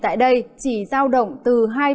tại đây chỉ giao động từ hai mươi ba